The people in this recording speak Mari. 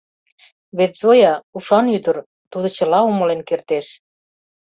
Вет Зоя — ушан ӱдыр, тудо чыла умылен кертеш.